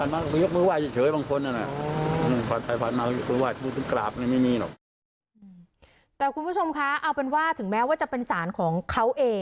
แต่คุณผู้ชมคะเอาเป็นว่าถึงแม้ว่าจะเป็นสารของเขาเอง